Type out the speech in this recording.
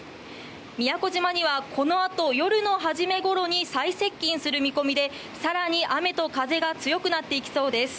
宮古島は夜の初めごろに最接近する見込みで更に、雨と風が強くなっていきそうです。